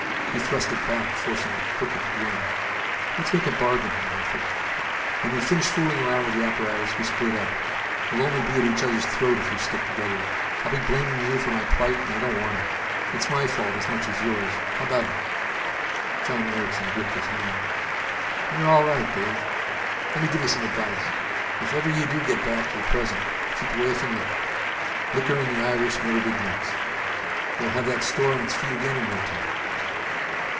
He thrust it back, forcing a crooked grin. "Let's make a bargain," he offered. "When we finish fooling around with this apparatus, we split up. We'll only be at each other's throat if we stick together. I'll be blaming you for my plight, and I don't want to. It's my fault as much as yours. How about it?" John Erickson gripped his hand. "You're all right, Dave. Let me give you some advice. If ever you do get back to the present ... keep away from liquor. Liquor and the Irish never did mix. You'll have that store on its feet again in no time."